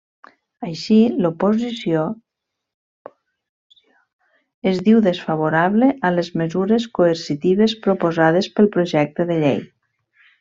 Així, l’oposició es diu desfavorable a les mesures coercitives proposades pel projecte de llei.